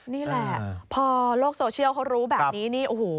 นี่แหละพอโลกโซเชียลเขารู้แบบนี้